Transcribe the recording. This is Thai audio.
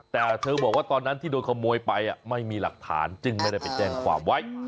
แต่เธอบอกว่าตอนนั้นที่โดนขโมยไปไม่มีหลักฐานจึงไม่ได้ไปแจ้งความไว้